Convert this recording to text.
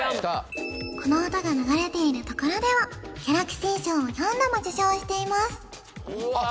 この音が流れているところではギャラクシー賞を４度も受賞していますあっ